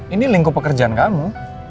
ini lingkup pekerjaan kamu